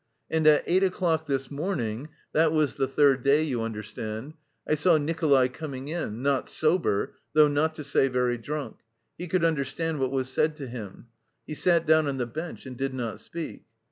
And at eight o'clock this morning' that was the third day, you understand 'I saw Nikolay coming in, not sober, though not to say very drunk he could understand what was said to him. He sat down on the bench and did not speak.